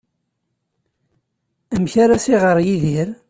Amek ara as-iɣer Yidir?